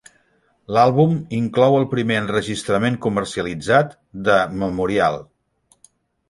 L'àlbum inclou el primer enregistrament comercialitzat de "Memorial".